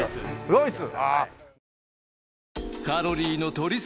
ドイツ。